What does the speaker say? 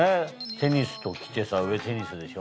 テニスと来てさ上テニスでしょ。